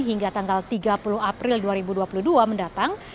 hingga tanggal tiga puluh april dua ribu dua puluh dua mendatang